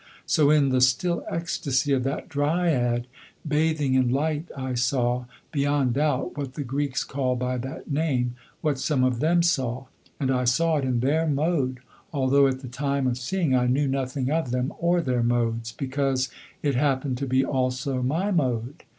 So in the still ecstasy of that Dryad bathing in light I saw, beyond doubt, what the Greeks called by that name, what some of them saw; and I saw it in their mode, although at the time of seeing I knew nothing of them or their modes, because it happened to be also my mode.